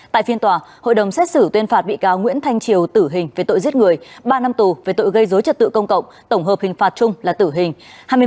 tại phiên tòa hội đồng xét xử tuyên phạt bị cáo nguyễn thanh triều tử hình về tội giết người ba năm tù về tội gây dối trật tự công cộng tổng hợp hình phạt chung là tử hình